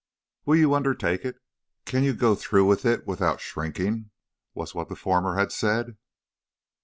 "'Will you undertake it? Can you go through with it without shrinking?' was what the former had said.